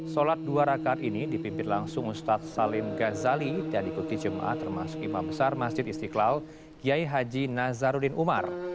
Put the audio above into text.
sholat dua rakad ini dipimpin langsung ustadz salim ghazali dan ikuti jemaah termasuk imam besar masjid istiqlal kiai haji nazaruddin umar